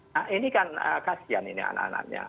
nah ini kan kasian ini anak anaknya